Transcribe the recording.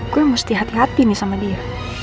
gue mesti hati hati nih sama dia